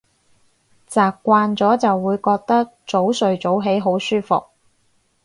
習慣咗就會覺得早睡早起好舒服